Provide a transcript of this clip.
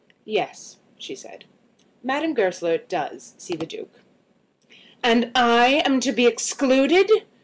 "Yes," she said, "Madame Goesler does see the Duke." "And I am to be excluded!"